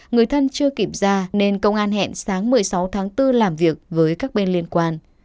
người thân chưa kịp ra nên công an hẹn sáng một mươi sáu tháng bốn làm việc với các bên liên quan